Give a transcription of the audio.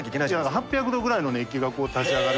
８００℃ぐらいの熱気がこう立ち上がる。